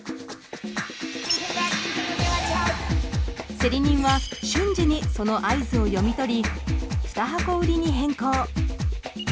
競り人は瞬時にその合図を読み取り２箱売りに変更。